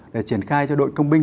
để triển khai cho đội công binh